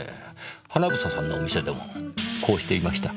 英さんのお店でもこうしていました。